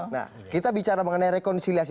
nah kita bicara mengenai rekonsiliasi